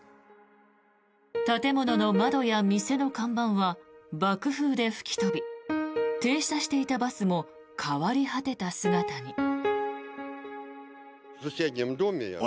建物の窓や店の看板は爆風で吹き飛び停車していたバスも変わり果てた姿に。